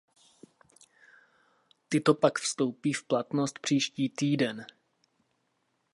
Tyto pak vstoupí v platnost příští týden.